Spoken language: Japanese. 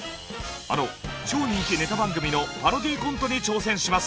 あの超人気ネタ番組のパロディーコントに挑戦します。